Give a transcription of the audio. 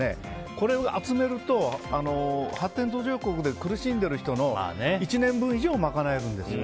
これを集めると発展途上国で苦しんでる人の１年分以上を賄えるんですよ。